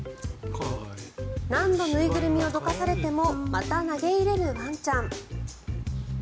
何度縫いぐるみをどかされてもまた投げ入れるワンちゃん。